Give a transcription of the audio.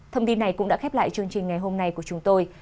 thông tin này cũng đã khép lại chương trình ngày hôm nay của chúng tôi